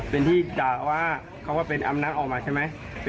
เป็นที่ด่าว่าเค้าว่ะเป็นอำนั้นออกมาใช่มั้ย